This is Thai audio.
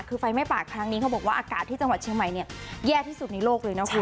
คือไฟไม่ปากครั้งนี้เขาบอกว่าอากาศที่จังหวัดเชียงใหม่เนี่ยแย่ที่สุดในโลกเลยนะคุณ